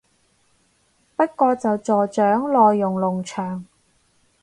不過就助長內容農場